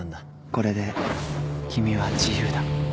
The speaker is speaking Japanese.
これで君は自由だ。